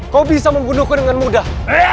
kau bisa membunuhku dengan mudah